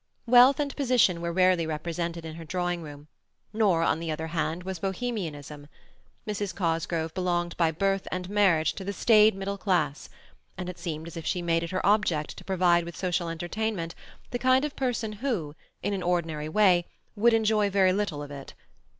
Wealth and position were rarely represented in her drawing room; nor, on the other hand, was Bohemianism. Mrs. Cosgrove belonged by birth and marriage to the staid middle class, and it seemed as if she made it her object to provide with social entertainment the kind of persons who, in an ordinary way, would enjoy very little of it.